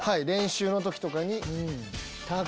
練習の時とかに。